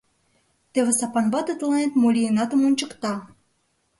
— Теве Сапан вате тыланет «мо лийынатым» ончыкта!